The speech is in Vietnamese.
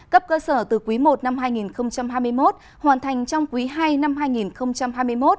cấp cơ sở từ quý i năm hai nghìn hai mươi một hoàn thành trong quý ii năm hai nghìn hai mươi một